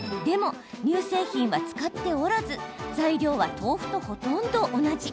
乳製品は使っておらず材料は豆腐とほとんど同じ。